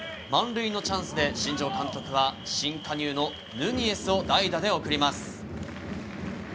満塁のチャンスで新庄監督は新加入のヌニエスを代打で送ります。